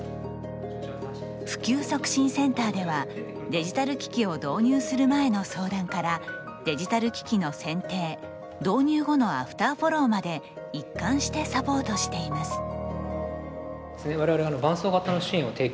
普及促進センターではデジタル機器を導入する前の相談からデジタル機器の選定導入後のアフターフォローまで一貫してサポートしています。